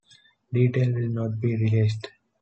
Details will not be released.